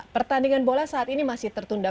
pertandingan bola saat ini masih tertunda